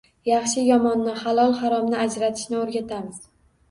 Yaxshi-yomonni, halol-haromni ajratishni oʻrgatamiz.